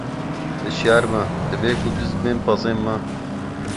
Hişyar be dibe ku diz bên pezên me!